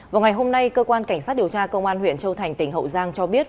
vào ngày hôm nay cơ quan cảnh sát điều tra công an huyện châu thành tỉnh hậu giang cho biết